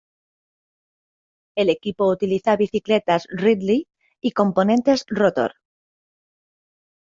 El equipo utiliza bicicletas Ridley y componentes Rotor.